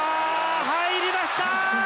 入りました！